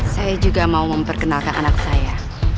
saya juga mau memperkenalkan anak saya